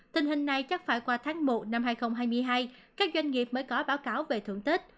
tình hình này chắc phải qua tháng một năm hai nghìn hai mươi hai các doanh nghiệp mới có báo cáo về thưởng tết